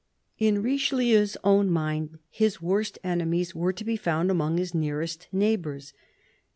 IN Richelieu's own mind his worst enemies were to be found among his nearest neighbours.